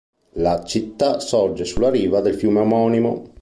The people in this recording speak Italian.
La città sorge sulla riva del fiume omonimo.